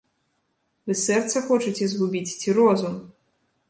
Вы сэрца хочаце згубіць, ці розум?